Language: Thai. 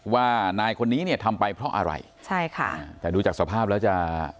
ว่านายคนนี้เนี่ยทำไปเพราะอะไรใช่ค่ะแต่ดูจากสภาพแล้วจะ